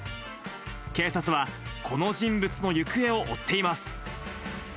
警察はこの人物の行方を追っています。